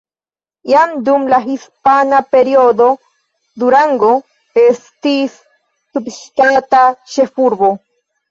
Jam dum la hispana periodo Durango estis subŝtata ĉefurbo.